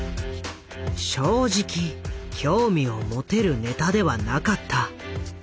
正直興味を持てるネタではなかった。